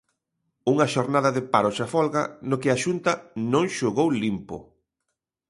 Unha xornada de paros e folga no que a Xunta non xogou limpo.